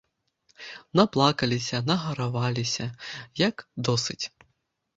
Наплакаліся, нагараваліся, як досыць.